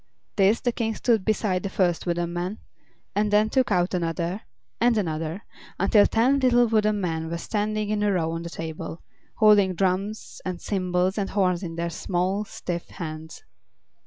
This the King stood beside the first wooden man, and then took out another, and another, until ten little wooden men were standing in a row on the table, holding drums, and cymbals, and horns in their small, stiff hands.